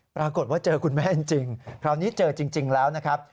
ปรากฏว่าเจอคุณแม่จริงคราวนี้เจอจริงแล้วนะครับ